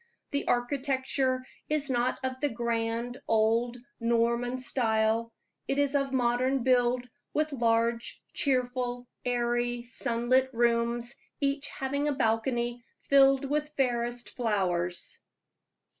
The architecture is not of the grand old Norman type; it is of modern build, with large, cheerful, airy, sunlit rooms, each having a balcony filled with fairest flowers.